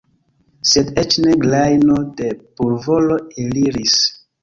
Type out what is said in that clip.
Sed eĉ ne grajno da pulvoro eliris.